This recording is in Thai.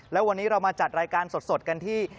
แล้ววันนี้เรามาจัดรายการสดกันที่